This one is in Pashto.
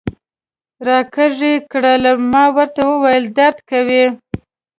را کږ یې کړل، ما ورته وویل: درد کوي.